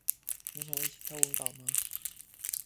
你想一起挑文稿嗎